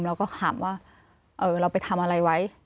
เราก็ถามว่าเราไปทำอะไรไว้